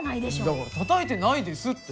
だからたたいてないですって！